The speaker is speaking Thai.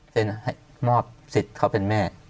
ให้มอบสิทธิ์เขาเป็นแม่